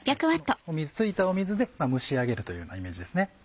このついた水で蒸し上げるというようなイメージですね。